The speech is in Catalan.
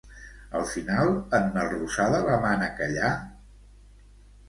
Al final en Melrosada la mana callar?